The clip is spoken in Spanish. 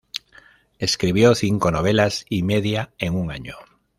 Escribió cinco novelas y media en un año.